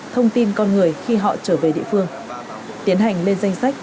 thông tin con người khi họ trở về địa phương tiến hành lên danh sách